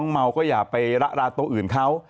เมาก็อย่าไปละราโต๊ะอื่นเขา